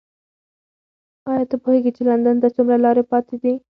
ایا ته پوهېږې چې لندن ته څومره لاره پاتې ده؟